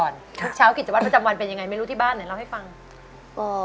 เริ่มแล้วครับ